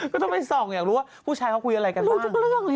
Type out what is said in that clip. ก็ทำไมส่องอยากรู้ว่าพ่อใช้ควิ่งอะไรกันบ้าง